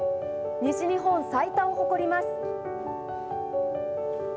西日本最多を誇ります。